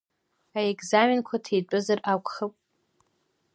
Аекзаменқәа ҭитәызар акәхап.